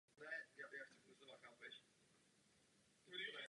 To vše obklopuje čisté a modré moře.